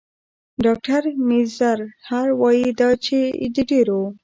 ډاکټر میزهر وايي دا چې د ډېرو